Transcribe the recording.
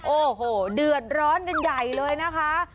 โอ้โหเดือดร้อนกันใหญ่เลยนะคะ